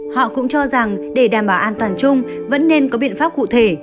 họ cũng cho rằng để đảm bảo an toàn chung vẫn nên có biện pháp cụ thể